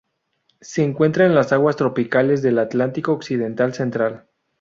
Se encuentra en las aguas tropicales del Atlántico occidental central.